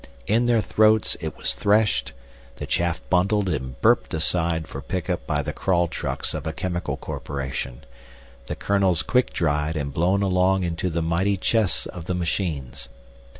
In their throats, it was threshed, the chaff bundled and burped aside for pickup by the crawl trucks of a chemical corporation, the kernels quick dried and blown along into the mighty chests of the machines.